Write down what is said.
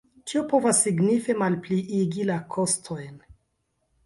Tio povas signife malpliigi la kostojn.